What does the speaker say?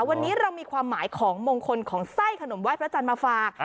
วันนี้เรามีความหมายของมงคลของไส้ขนมไห้พระจันทร์มาฝาก